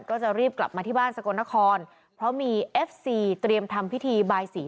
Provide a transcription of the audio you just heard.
ก็จะรีบกลับมาที่บ้านสกลนครเพราะมีเอฟซีเตรียมทำพิธีบายสี